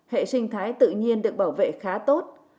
hệ sinh thái tự nhiên được bảo vệ khá tốt